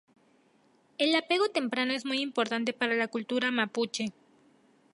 El apego temprano es muy importante para la cultura mapuche.